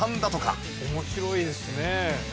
面白いですね。